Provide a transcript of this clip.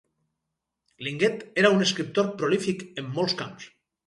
Linguet era un escriptor prolífic en molts camps.